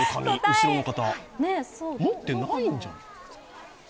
後ろの方、持ってないんじゃない？